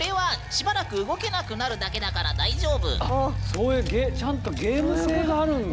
そういうちゃんとゲーム性があるんだ。